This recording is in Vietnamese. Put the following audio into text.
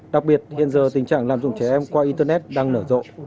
đặc biệt hiện giờ tình trạng lạm dụng trẻ em qua internet đang nở rộ